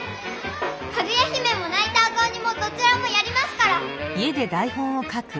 「かぐや姫」も「ないた赤おに」もどちらもやりますから！